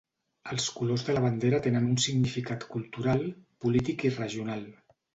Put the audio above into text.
Els colors de la bandera tenen un significat cultural, polític i regional.